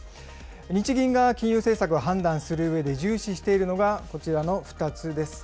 日銀が金融政策を判断するうえで重視しているのがこちらの２つです。